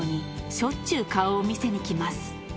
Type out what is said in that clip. しょっちゅう顔を見せに来ます。